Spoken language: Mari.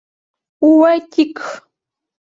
— Уэ-тик!